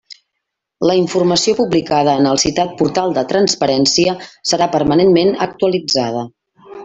La informació publicada en el citat Portal de Transparència serà permanentment actualitzada.